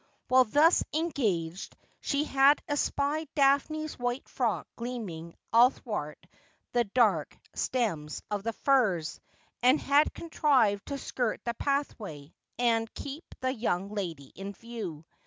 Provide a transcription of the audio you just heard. While thus engaged she had espied Daphne's white frock gleaming athwart the dark stems of the firs, and had contrived to skirt the pathway, and keep the young lady in view.